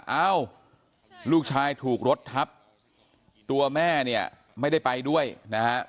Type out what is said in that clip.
เอ้าลูกชายถูกรถทับตัวแม่เนี่ยไม่ได้ไปด้วยนะฮะ